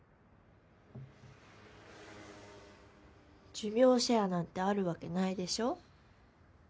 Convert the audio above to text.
寿命をシェアなんてあるわけないでしょ。